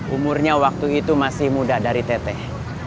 umurnya waktu itu masih muda dari teteh